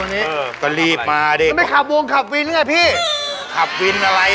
นี่ไง